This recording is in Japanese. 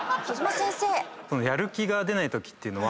やる気が出ないときっていうのは。